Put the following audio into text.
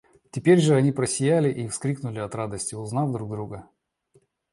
Теперь же они просияли и вскрикнули от радости, узнав друг друга.